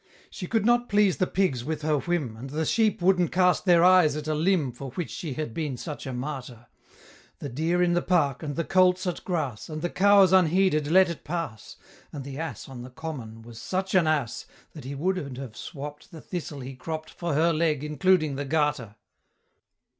She could not please the pigs with her whim, And the sheep wouldn't cast their eyes at a limb For which she had been such a martyr: The deer in the park, and the colts at grass, And the cows unheeded let it pass; And the ass on the common was such an ass, That he wouldn't have swopp'd The thistle he cropp'd For her Leg, including the Garter!